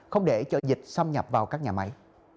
không để cho dịch xâm nhập vào các nhà máy